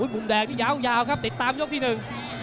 มุมแดงนี่ยาวยาวครับติดตามยกที่หนึ่ง